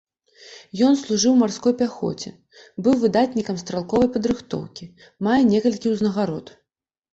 Ён служыў у марской пяхоце, быў выдатнікам стралковай падрыхтоўкі, мае некалькі ўзнагарод.